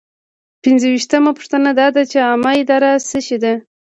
پنځویشتمه پوښتنه دا ده چې عامه اداره څه شی ده.